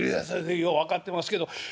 「いやよう分かってますけど。